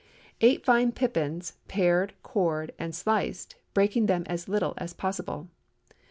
✠ 8 fine pippins, pared, cored, and sliced, breaking them as little as possible.